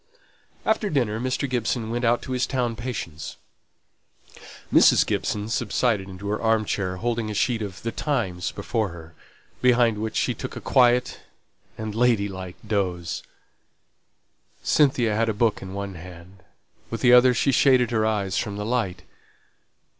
After dinner, Mr. Gibson went out to his town patients; Mrs. Gibson subsided into her arm chair, holding a sheet of The Times before her, behind which she took a quiet and lady like doze. Cynthia had a book in one hand, with the other she shaded her eyes from the light.